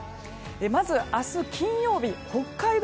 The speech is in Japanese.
まず明日、金曜日北海道